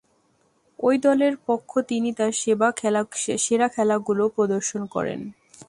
ঐ দলের পক্ষ তিনি তার সেরা খেলাগুলো প্রদর্শন করেন।